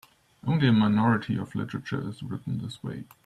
Only a minority of literature is written this way.